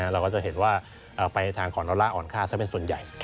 เราก็จะเห็นว่าไปทางของดอลลาร์อ่อนค่าซะเป็นส่วนใหญ่